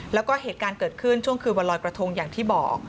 แล้วก็เหตุการณ์เกิดขึ้นช่วงคืนวันลอยกระทงอย่างที่บอก